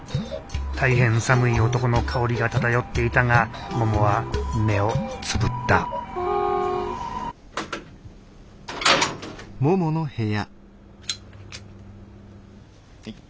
大変寒い男の香りが漂っていたがももは目をつぶったはい。